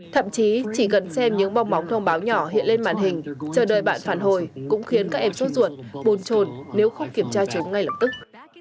thậm chí chỉ cần xem những bong bóng thông báo nhỏ hiện lên màn hình chờ đợi bạn phản hồi cũng khiến các em sốt ruột buồn trồn nếu không kiểm tra chúng ngay lập tức